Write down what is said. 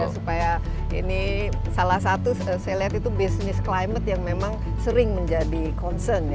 supaya ini salah satu saya lihat itu bisnis climate yang memang sering menjadi concern